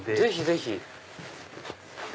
ぜひぜひ。